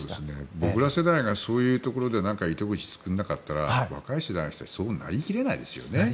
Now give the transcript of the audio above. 僕ら世代がそういうところで糸口を作らなかったら若い世代の人たちそうなり切れないですよね。